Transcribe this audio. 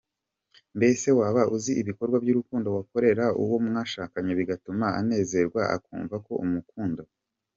Mbese waba uzi ibikorwa by’urukundo wakorera uwo mwashakanye bigatuma anezerwa, akumva ko umukunda?